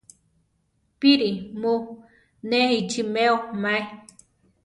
Píri mu ne ichimeo maé?